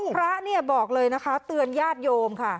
พระเนี่ยบอกเลยนะคะเตือนญาติโยมค่ะ